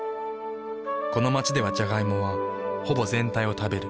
この街ではジャガイモはほぼ全体を食べる。